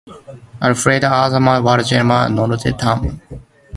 Afalaŋa azza wal gaŋa ma nodoró tam.